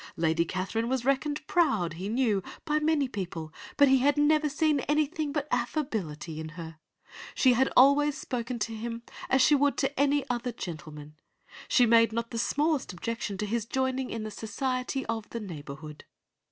Lady Catherine was reckoned proud, he knew, by many people, but he had never seen anything but affability in her. She had always spoken to him as she would to any other gentleman; she made not the smallest objection to his joining in the society of the neighbourhood."